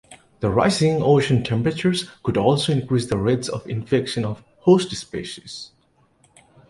The rising ocean temperatures could also increase the rates of infection of host species.